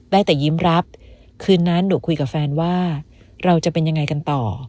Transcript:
ได้แต่ยิ้มรับคืนนั้นหนูคุยกับแฟนว่าเราจะเป็นยังไงกันต่อ